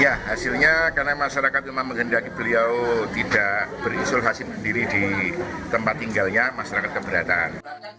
ya hasilnya karena masyarakat memang menghendaki beliau tidak berisolasi berdiri di tempat tinggalnya masyarakat keberatan